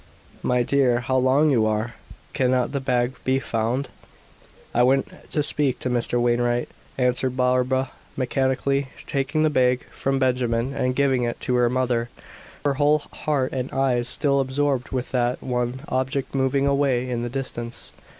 "My dear, how long you are! Cannot the bag be found?" "I went to speak to Mr. Wainwright," answered Barbara, mechanically taking the bag from Benjamin and giving it to her mother, her whole heart and eyes still absorbed with that one object moving away in the distance.